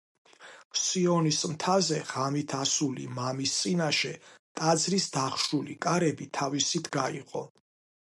სიონის მთაზე ღამით ასული მამის წინაშე ტაძრის დახშული კარები თავისით გაიღო.